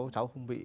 cháu không bị